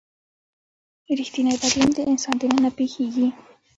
ریښتینی بدلون د انسان دننه پیښیږي.